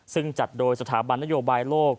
ซึ่งจัดโดยสถาบันนโยบายโลก